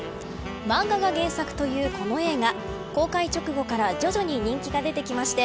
漫画が原作というこの映画公開直後から徐々に人気が出てきまして